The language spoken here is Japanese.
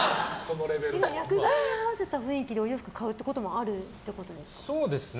作品に合わせた雰囲気でお洋服を買うってこともあるってことですか？